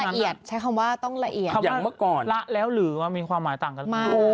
ต้องละเอียดใช้คำว่าต้องละเอียดคำว่าละแล้วหรือว่ามีความหมายต่างกัน